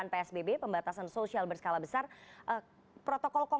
pembatasan sosial berskala besar